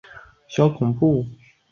戒名是政秀寺殿功庵宗忠大居士。